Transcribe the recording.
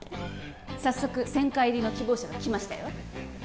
早速専科入りの希望者が来ましたよ